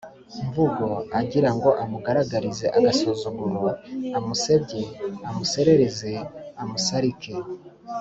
mvugo, agira ngo amugaragarize agasuzuguro, amusebye, amusesereze, amusarike,